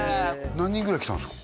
何人ぐらい来たんですか？